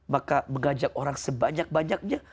maka mengajak orang sebanyak banyaknya